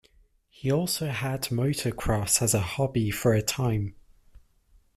He also had motocross as a hobby for a time.